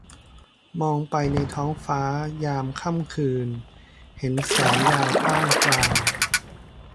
มองไปในท้องฟ้ายามค่ำคืน เห็นแสงดาวพร่างพราว